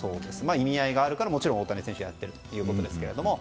意味合いがあるからもちろん大谷選手はやっているということですけど。